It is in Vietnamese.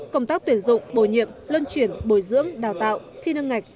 công tác tuyển dụng bồi nhiệm lân chuyển bồi dưỡng đào tạo thi nâng ngạch